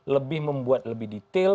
lebih membuat lebih detail